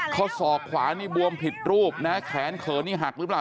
ศอกขวานี่บวมผิดรูปนะแขนเขินนี่หักหรือเปล่า